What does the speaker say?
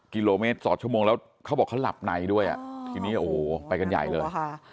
กิโลเมตรต่อชั่วโมงแล้วเขาบอกเขาหลับในด้วยอ่ะทีนี้โอ้โหไปกันใหญ่เลย